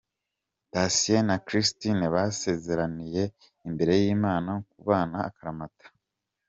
Thacien na Christine basezeraniye imbere y'Imana kubana akaramata.